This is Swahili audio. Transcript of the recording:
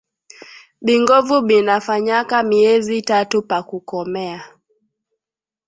Bingovu bina fanyaka myezi tatu pa kukomea